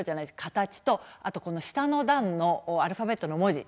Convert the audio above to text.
形と、あと下の段のアルファベットの文字